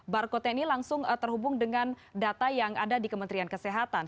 barcode ini langsung terhubung dengan data yang ada di kementerian kesehatan